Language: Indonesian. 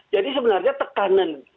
jadi sebenarnya tekanan